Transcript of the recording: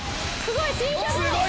すごい！